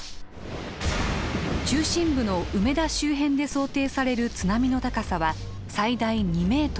中心部の梅田周辺で想定される津波の高さは最大２ｍ。